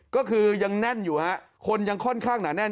ก็คือยังแน่นอยู่ฮะคนยังค่อนข้างหนาแน่น